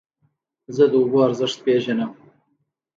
زه د اوبو ارزښت پېژنم.